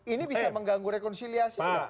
ini bisa mengganggu rekonsiliasi